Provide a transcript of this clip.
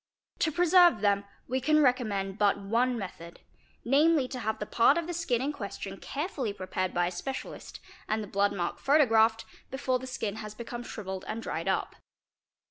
'To preserve them we can recommend but one method; namely to have the part of the skin in question carefully prepared by a specialist, and the blood mark photo graphed, before the skin has become shrivelled and dried up.